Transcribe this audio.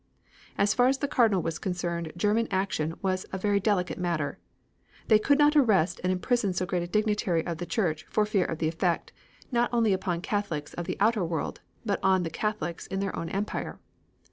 As far as the Cardinal was concerned German action was a very delicate matter. They could not arrest and imprison so great a dignitary of the Church for fear of the effect, not only upon the Catholics of the outer world, but on the Catholics in their own empire.